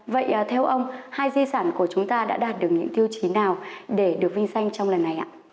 vậy theo ông hai di sản của chúng ta đã đạt được những tiêu chí nào để được vinh danh trong lần này ạ